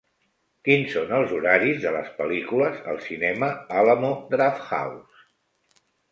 Quins són els horaris de les pel·lícules al cinema Alamo Drafthouse.